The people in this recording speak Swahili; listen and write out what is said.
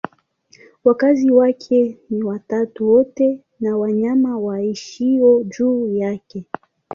Wakazi wake ni watu wote na wanyama waishio juu yake.